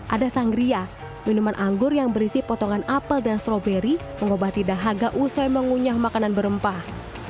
ada sang gria minuman anggur yang berisi potongan apel dan stroberi mengobati dahaga usai mengunyah makanan berempah